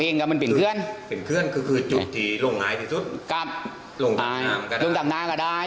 นื้อนกันนะครับนี่